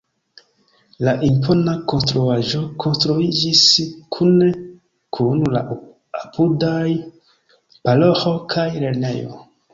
La impona konstruaĵo konstruiĝis kune kun la apudaj paroĥo kaj lernejo.